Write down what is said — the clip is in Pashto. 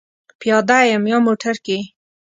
پیاده یم یا موټر کې؟